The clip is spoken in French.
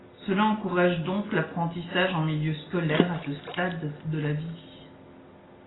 Cela encourage donc l'apprentissage en milieu scolaire à ce stade de la vie.